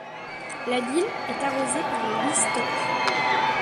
La ville est arrosée par le Wisłok.